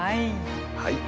はい。